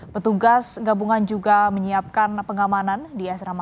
petugas gabungan juga menyiapkan pengamanan di asrama